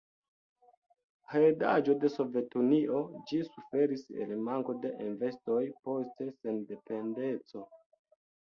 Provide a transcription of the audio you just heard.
Heredaĵo de Sovetunio, ĝi suferis el manko de investoj post sendependeco.